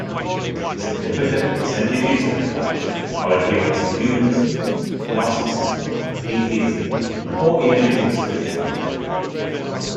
Significant percentages of the Dutch are adherents of humanism, agnosticism, atheism or individual spirituality.